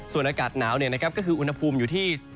ส่วนอากาศหนาวก็คืออุณหภูมิอยู่ที่